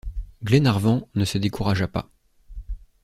Glenarvan ne se découragea pas.